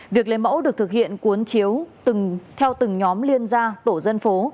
việc lấy mẫu được thực hiện cuốn chiếu theo từng nhóm liên gia tổ dân phố